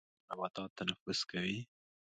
ایا نباتات تنفس کوي؟